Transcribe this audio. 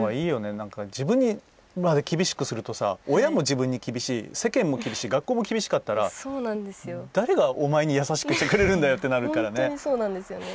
なんか自分にまで厳しくすると親も自分に厳しい世間も厳しい学校も厳しかったら誰がお前に優しくしてくれるんだよってなるからね。